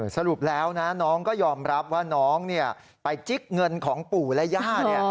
สรุปแล้วนะน้องก็ยอมรับว่าน้องไปจิ๊กเงินของปู่และย่า